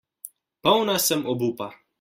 Polna sem obupa.